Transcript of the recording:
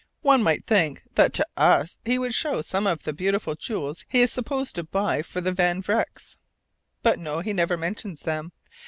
One might think that to us he would show some of the beautiful jewels he is supposed to buy for the Van Vrecks. But no, he never mentions them.